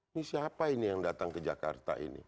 ini siapa ini yang datang ke jakarta ini